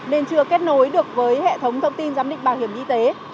nên chưa kết nối được với hệ thống thông tin giám định bảo hiểm y tế